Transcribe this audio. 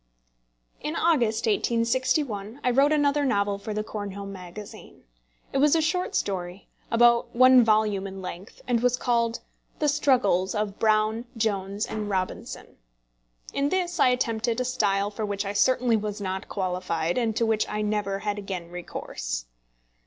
In August, 1861, I wrote another novel for the Cornhill Magazine. It was a short story, about one volume in length, and was called The Struggles of Brown, Jones, and Robinson. In this I attempted a style for which I certainly was not qualified, and to which I never had again recourse.